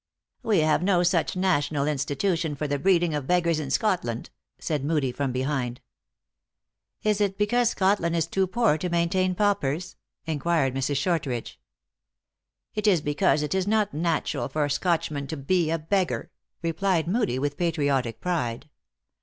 " We have no such national institution for the breed ing of beggars in Scotland," said Hoodie, from behind. " Is it because Scotland is too poor to maintain paupers ?" inquired Mrs. Shortridge. " It is because it is not natural for a Scotchman to be a beggar," replied Moodie, with patriotic pride.